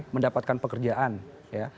mendapatkan pekerjaan ya